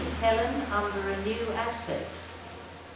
HELEN UNDER A NEW ASPECT.